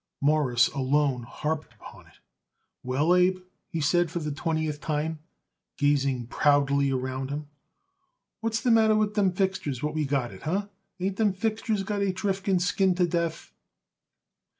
Morris alone harped upon it. "Well, Abe," he said for the twentieth time, gazing proudly around him, "what's the matter with them fixtures what we got it? Huh? Ain't them fixtures got H. Rifkin skinned to death?"